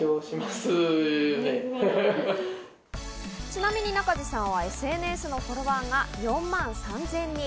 ちなみに、なかじさんはＳＮＳのフォロワーが４万３０００人。